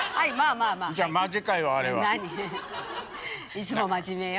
いつも真面目よ